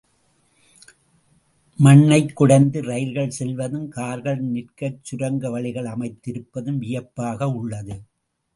மண்ணைக் குடைந்து ரயில்கள் செல்வதும், கார்கள் நிற்கச் சுரங்க வழிகள் அமைத்திருப்பதும் வியப்பாக உள்ளது.